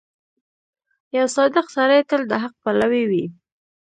• یو صادق سړی تل د حق پلوی وي.